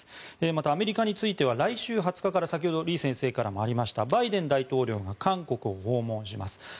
また、アメリカについては来週２０日から先ほど李先生からもありましたバイデン大統領が韓国を訪問します。